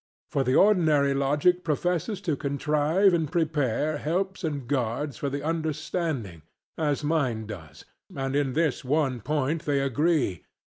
For the ordinary logic professes to contrive and prepare helps and guards for the understanding, as mine does; and in this one point they agree.